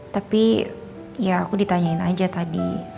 tapi ya aku ditanyain aja tadi